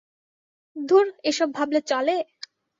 ধুর এসব ভাবলে চলে!